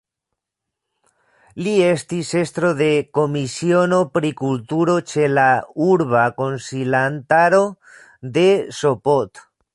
Li estis estro de Komisiono pri Kulturo ĉe la Urba Konsilantaro de Sopot.